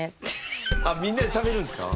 みんなでしゃべるんすか？